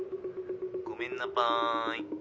ごめんなぱい。